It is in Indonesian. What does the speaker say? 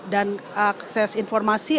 dan akses informasi